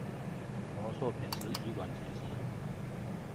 華碩品質以卵擊石